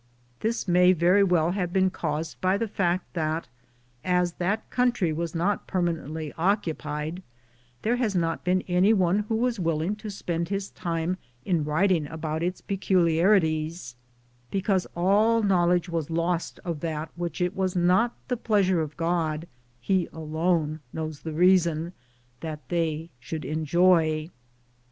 This may very well have been caused by the fact that, as that country was not permanently occupied, there has not been anyone who was willing to spend his time in writing about its peculiarities, because all knowledge was lost of that which it was not the pleasure of God — He alone knows the reason — that they should enjoy.